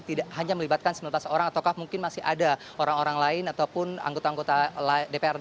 tidak hanya melibatkan sembilan belas orang ataukah mungkin masih ada orang orang lain ataupun anggota anggota dprd